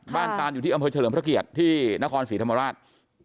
ตานอยู่ที่อำเภอเฉลิมพระเกียรติที่นครศรีธรรมราช